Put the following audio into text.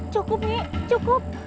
cukup nyi cukup